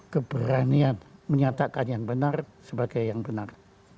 keberanian menyatakan yang benar sebagai yang benar